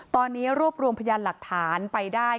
ตอนนี้รวบรวมพยานหลักฐานไปได้